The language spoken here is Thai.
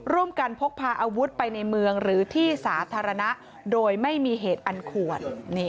พกพาอาวุธไปในเมืองหรือที่สาธารณะโดยไม่มีเหตุอันควร